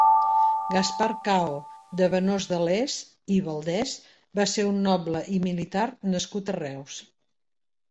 Gaspar Cao de Benós de Les i Valdés va ser un noble i militar nascut a Reus.